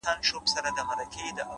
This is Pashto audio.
نظم وخت سپموي؛